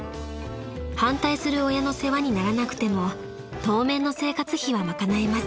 ［反対する親の世話にならなくても当面の生活費はまかなえます］